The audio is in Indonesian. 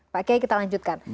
pak giyai kita lanjutkan